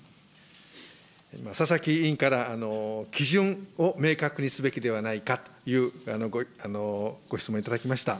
佐々木委員から、基準を明確にすべきではないかというご質問頂きました。